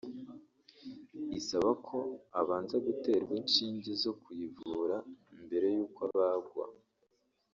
isaba ko abanza guterwa inshinge zo kuyivura mbere y’uko abagwa